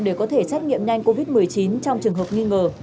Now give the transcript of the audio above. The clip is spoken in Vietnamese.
để có thể xét nghiệm nhanh covid một mươi chín trong trường hợp nghi ngờ